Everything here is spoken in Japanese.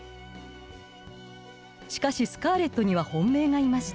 しかしスカーレットには本命がいました。